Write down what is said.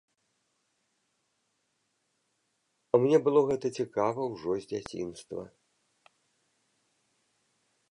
Мне было гэта цікава ўжо з дзяцінства.